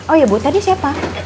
oh ya bu tadi siapa